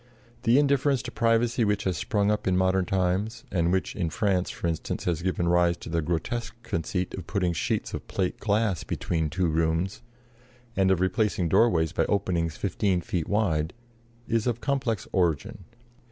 The indifference to privacy which has sprung up in modern times, and which in France, for instance, has given rise to the grotesque conceit of putting sheets of plate glass between two rooms, and of replacing doorways by openings fifteen feet wide, is of complex origin.